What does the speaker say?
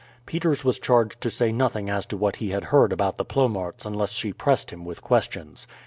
Peters was charged to say nothing as to what he had heard about the Plomaerts unless she pressed him with questions.